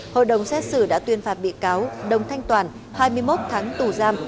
hội đồng xét xử đã tuyên phạt bị cáo đông thanh toàn hai mươi một tháng tù giam